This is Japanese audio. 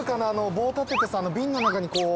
棒立ててさ瓶の中にこう。